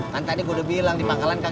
kan tadi gue udah bilang di pangkalan gak ada